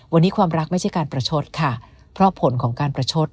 วันนี้ความรักไม่ใช่การประชดค่ะเพราะผลของการประชด